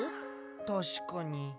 たしかに。